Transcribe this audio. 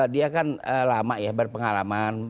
dia kan lama ya berpengalaman